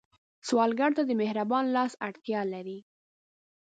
سوالګر ته د مهربان لاس اړتیا لري